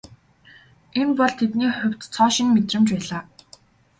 Энэ бол тэдний хувьд цоо шинэ мэдрэмж байлаа.